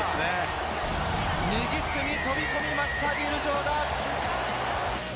右隅に飛び込みました、ウィル・ジョーダン！